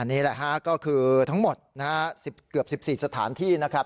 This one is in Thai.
นี่แหละฮะก็คือทั้งหมดนะฮะเกือบ๑๔สถานที่นะครับ